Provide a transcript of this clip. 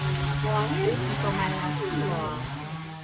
โอ้ยมาเผ็ดเต็ดเต็ดเต็ด